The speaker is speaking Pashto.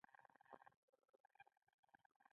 د سارا غمونو لولپه کړم.